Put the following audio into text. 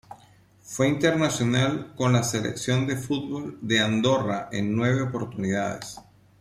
Fue internacional con la Selección de fútbol de Andorra en nueve oportunidades.